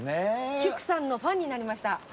きくさんのファンになりました。